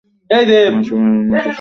মানুষের উন্মাদনার শেষ নেই একে ঘিরে।